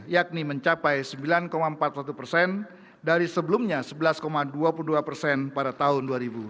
yakni mencapai sembilan empat puluh satu persen dari sebelumnya sebelas dua puluh dua persen pada tahun dua ribu dua puluh